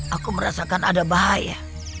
aku merasakan ada bahaya